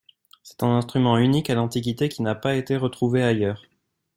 C'est un instrument unique à l'Antiquité qui n'a pas été retrouvé ailleurs.